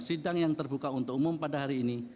sidang yang terbuka untuk umum pada hari ini